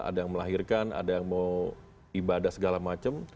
ada yang melahirkan ada yang mau ibadah segala macam